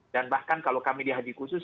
dan bahkan kalau kami di haji khusus